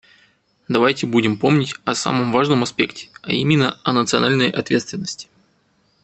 Давайте будем помнить о самом важном аспекте, а именно: о национальной ответственности.